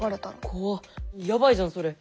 怖っやばいじゃんそれ。